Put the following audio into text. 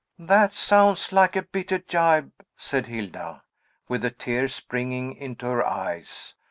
"That sounds like a bitter gibe," said Hilda, with the tears springing into her eyes.